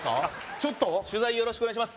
ちょっと取材よろしくお願いします